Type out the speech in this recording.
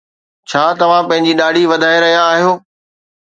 ڇا توهان پنهنجي ڏاڙهي وڌائي رهيا آهيو؟